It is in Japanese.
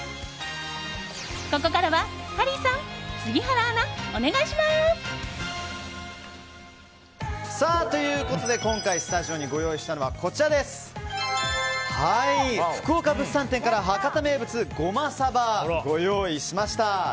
ここからはハリーさん、杉原アナお願いします！ということで今回、スタジオにご用意したのは福岡物産展から博多名物ごまさばをご用意しました。